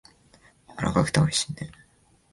やわらかくておいしいね。